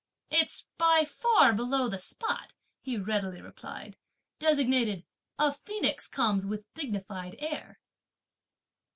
"It's by far below the spot," he readily replied, "designated 'a phoenix comes with dignified air.'"